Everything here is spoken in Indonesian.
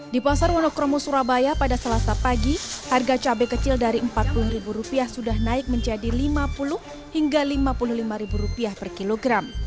di pasar wonokromo surabaya pada selasa pagi harga cabai kecil dari rp empat puluh sudah naik menjadi rp lima puluh hingga rp lima puluh lima per kilogram